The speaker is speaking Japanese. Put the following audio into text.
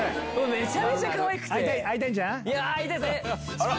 めちゃめちゃかわいくて。